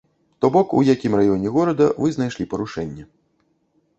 То бок у якім раёне горада вы знайшлі парушэнне.